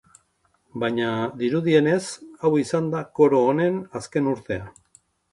Baina, dirudienez, hau izan da koro honen azken urtea.